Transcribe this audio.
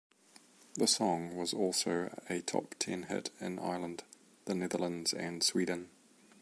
The song was also a top ten hit in Ireland, the Netherlands and Sweden.